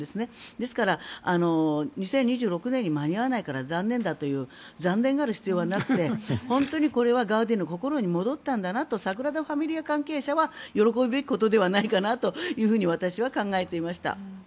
ですから、２０２６年に間に合わないから残念だと残念がる必要はなくて本当にこれはガウディの心に戻ったんだなとサグラダ・ファミリア関係者は喜ぶべきことじゃないかなと私は考えていました。